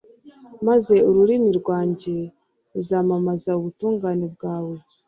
maze ururimi rwanjye ruzamamaze ubutungane bwawe